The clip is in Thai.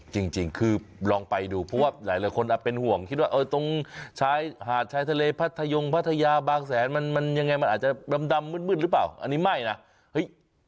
จริงคือลองไปดูเพราะว่าหลายคนอาจเป็นห่วงคิดว่าเออตรงชายหาดชายทะเลพัทยงพัทยาบางแสนมันมันยังไงมันอาจจะดำมืดหรือเปล่าอันนี้ไม่นะเฮ้ย